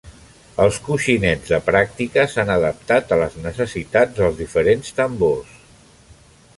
Els coixinets de pràctica s'han adaptat a les necessitats dels diferents tambors.